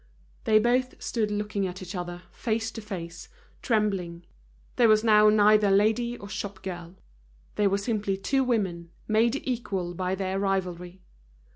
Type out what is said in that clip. They both stood looking at each other, face to face, trembling. There was now neither lady or shop girl. They were simply two women, made equal by their rivalry.